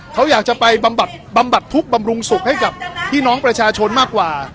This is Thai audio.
เขาอยากจะไปบำบัดทุกข์บำรุงสุขให้กับพี่น้องประชาชนมากกว่า